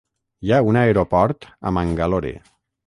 Hi ha un aeroport a Mangalore.